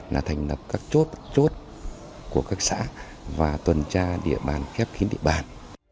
là thành lập các chốt của các xã và tuần tra địa bàn kép khiến địa bàn